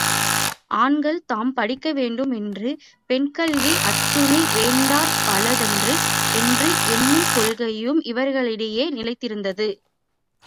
ஆண்கள் தாம் படிக்க வேண்டும் என்றும், பெண் கல்வி அத்துணை வேண்டற்பாலதன்று என்றும் எண்ணும் கொள்கையும் இவர்களிடையே நிலைத்திருந்தது.